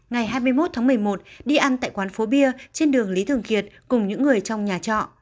ngày hai mươi một tháng một mươi một đi ăn tại quán phố bia trên đường lý thường kiệt cùng những người trong nhà trọ